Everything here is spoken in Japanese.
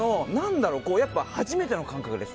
初めての感覚です。